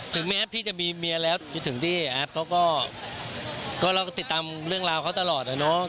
ถึงแม้พี่จะมีเมียแล้วคิดถึงที่แอฟเขาก็เราก็ติดตามเรื่องราวเขาตลอดนะเนาะ